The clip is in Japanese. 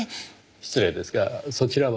失礼ですがそちらは？